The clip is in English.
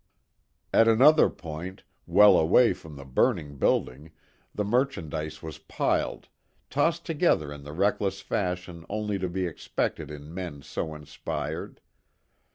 At another point, well away from the burning building, the merchandise was piled, tossed together in the reckless fashion only to be expected in men so inspired.